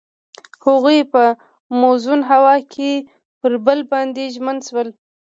هغوی په موزون هوا کې پر بل باندې ژمن شول.